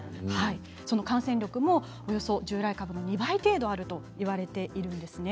その感染力も従来株のおよそ２倍程度あると言われているんですね。